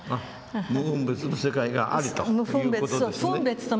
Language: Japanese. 無分別の世界があるという事ですね。